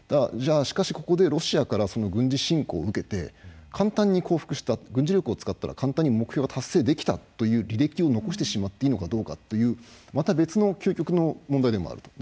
じゃあ、しかしここでロシアから軍事侵攻を受けて簡単に降伏した軍事力を使ったら簡単に目標が達成できたという履歴を残してしまっていいのかというまた別の究極の問題でもある。